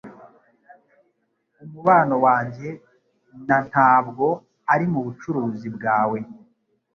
Umubano wanjye na ntabwo ari mubucuruzi bwawe.